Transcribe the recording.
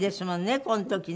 この時ね。